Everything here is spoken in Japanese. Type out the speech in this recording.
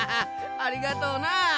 ありがとうな。